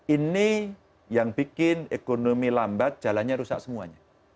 ini yang bikin ekonomi lambat jalannya rusak semuanya